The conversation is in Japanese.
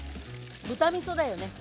豚みそだよね。